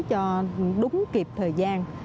cho đúng kịp thời gian